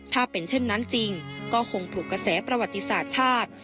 ถ้าเป็นเช่นนั้นจริงก็คงปลุกกระแสประวัติศาสตร์ชาติ